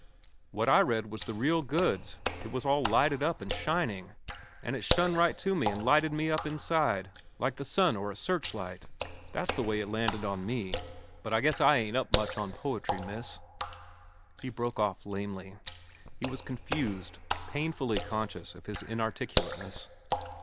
"What I read was the real goods. It was all lighted up an' shining, an' it shun right into me an' lighted me up inside, like the sun or a searchlight. That's the way it landed on me, but I guess I ain't up much on poetry, miss." He broke off lamely. He was confused, painfully conscious of his inarticulateness.